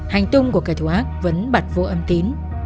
hành tung của kẻ thù ác vẫn bật vô âm tín